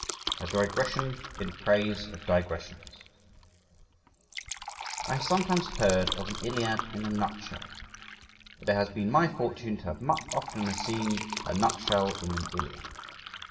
A DIGRESSION IN PRAISE OF DIGRESSIONS. I HAVE sometimes heard of an Iliad in a nut shell, but it has been my fortune to have much oftener seen a nut shell in an Iliad.